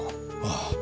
ああ。